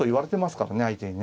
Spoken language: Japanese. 相手にね。